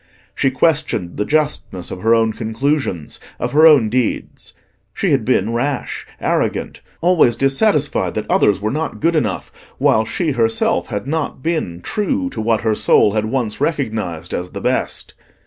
She questioned the justness of her own conclusions, of her own deeds: she had been rash, arrogant, always dissatisfied that others were not good enough, while she herself had not been true to what her soul had once recognised as the best.